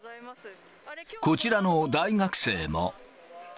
こちらの大学生も。